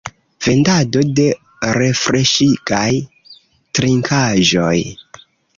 Vendado de refreŝigaj trinkaĵoj.